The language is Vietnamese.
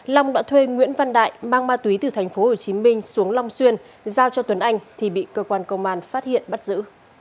long đã thuê nguyễn văn đại mang ma túy từ tp hcm xuống long xuyên giao cho tuấn anh thì bị cơ quan công an phát hiện bắt giữ